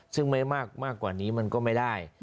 ซึ่งไม่มากกว่านี้มันก็ไม่ได้